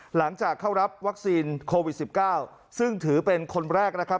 หลังจากเข้ารับวัคซีนโควิด๑๙ซึ่งถือเป็นคนแรกนะครับ